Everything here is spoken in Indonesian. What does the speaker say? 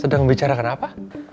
sedang membicarakan apa